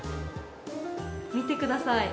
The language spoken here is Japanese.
見てください！